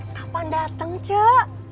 kapan dateng cek